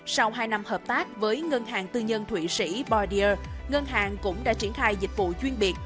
sau hai năm hợp tác với ngân hàng tư nhân thụy sĩ bardier ngân hàng cũng đã triển khai dịch vụ chuyên biệt